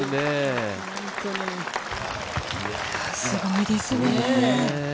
すごいですね。